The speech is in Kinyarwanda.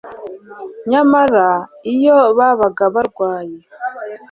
nyamara, iyo babaga barwaye